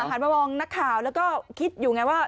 หันมามองนักข่าวแล้วก็คิดอยู่ไงว่า